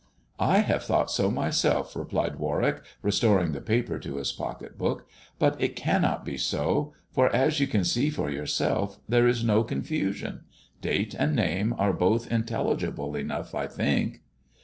I have thought so myself," replied Warwick, restoring the paper to his pocket book ;" but it cannot be so, for, as you can see for yourself, there is no confusion. Date and name are both intelligible enough, I think."